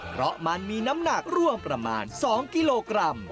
เพราะมันมีน้ำหนักร่วมประมาณ๒กิโลกรัม